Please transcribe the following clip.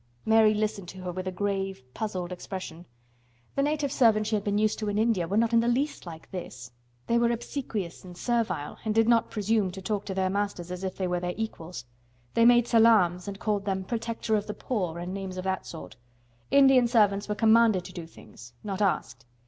Mary listened to her with a grave, puzzled expression. The native servants she had been used to in India were not in the least like this. They were obsequious and servile and did not presume to talk to their masters as if they were their equals. They made salaams and called them "protector of the poor" and names of that sort. Indian servants were commanded to do things, not asked.